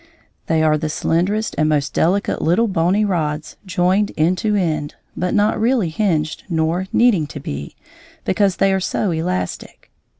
They are the slenderest and most delicate little bony rods, joined end to end, but not really hinged nor needing to be, because they are so elastic.